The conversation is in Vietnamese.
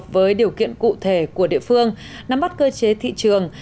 với điều kiện cụ thể của địa phương nắm bắt cơ chế thị trường